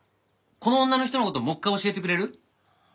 この女の人の事もう一回教えてくれる？